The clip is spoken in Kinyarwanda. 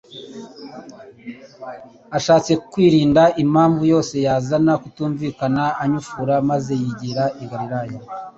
Ashatse kwirinda impamvu yose yazana kutumvikana, anyufura maze yigira i Galilaya.